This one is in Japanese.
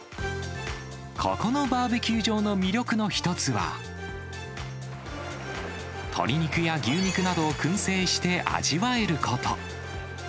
ここのバーベキュー場の魅力の一つは、鶏肉や牛肉などをくん製して味わえること。